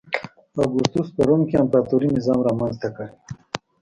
اګوستوس په روم کې امپراتوري نظام رامنځته کړ.